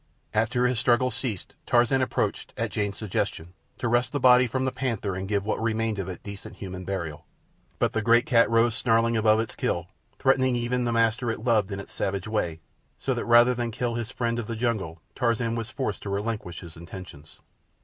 After his struggles ceased Tarzan approached, at Jane's suggestion, to wrest the body from the panther and give what remained of it decent human burial; but the great cat rose snarling above its kill, threatening even the master it loved in its savage way, so that rather than kill his friend of the jungle, Tarzan was forced to relinquish his intentions.